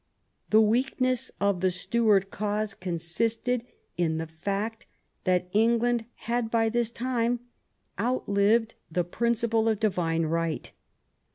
The weakness of the Stuart cause consisted in the fact that England had by this time outlived the prin ciple of divine right.